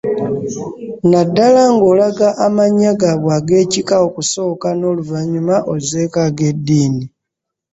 Naddala ng'olaga amannya gaabwe ag'ekika okusooka n'oluvannyuma ozzeeko ag'eddiini.